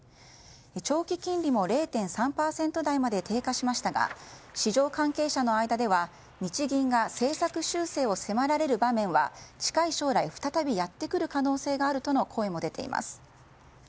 長期金利も０．３％台まで低下しましたが市場関係者の間では日銀が政策修正を迫られる場面は近い将来再びやってくる可能性があるとの声も出ています。